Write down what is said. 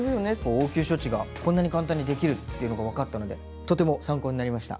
応急処置がこんなに簡単にできるっていうのが分かったのでとても参考になりました。